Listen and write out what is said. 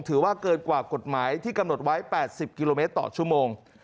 ถือว่าเกินกว่ากฎหมายที่กำหนดไว้๘๐กิโลเมตรต่อชั่วโมง